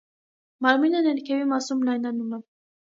Մարմինը ներքևի մասում լայնանում է։